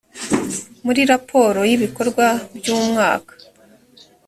muri raporo y ibikorwa byu umwaka